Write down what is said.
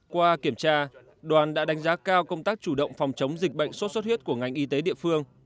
qua kiểm tra đoàn đã đánh giá cao công tác chủ động phòng chống dịch bệnh sốt xuất huyết của ngành y tế địa phương